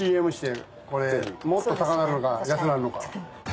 もっと高なるのか安なるのか。